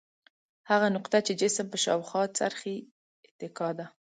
هغه نقطه چې جسم په شاوخوا څرخي اتکا ده.